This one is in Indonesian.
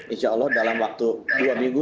insya allah dalam waktu dua minggu